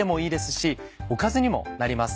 しおかずにもなります